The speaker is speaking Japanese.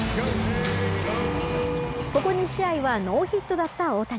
ここ２試合はノーヒットだった大谷。